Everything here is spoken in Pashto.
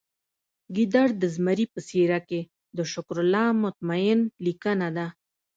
ګیدړ د زمري په څیره کې د شکرالله مطمین لیکنه ده